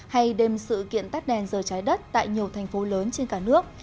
hay đêm sự kiện tắt đèn giờ trái đất tại nhiều thành phố lớn trên cả nước